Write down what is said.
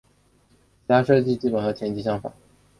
其他设计基本和前级相仿。